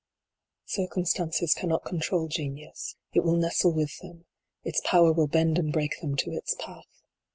Circumstances cannot control genius : it will nestle with them : its power will bend and break them to its path.